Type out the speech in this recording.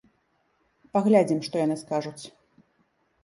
Паглядзім, што яны скажуць.